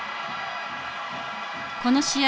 この試合